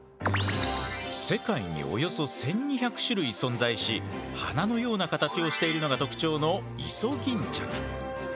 世界におよそ１，２００種類存在し花のような形をしているのが特徴のイソギンチャク。